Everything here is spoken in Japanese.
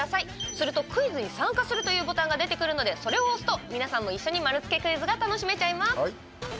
すると「クイズに参加する」というボタンが出てくるのでそれを押すと皆さんも一緒に丸つけクイズが楽しめちゃいます。